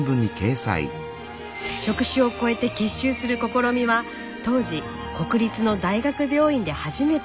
職種を超えて結集する試みは当時国立の大学病院で初めて。